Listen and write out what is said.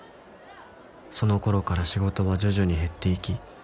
「その頃から仕事は徐々に減っていき」